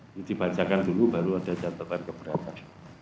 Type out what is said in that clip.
ini dibacakan dulu baru ada catatan keberatan